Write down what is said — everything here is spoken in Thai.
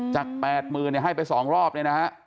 จากแปดหมื่นให้ไปสองรอบเลยนะฮะ